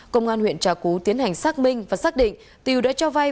công an huyện trà cú tiến hành xác minh và xác định tiều đã cho vay